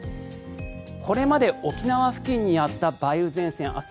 これまで沖縄付近にあった梅雨前線明日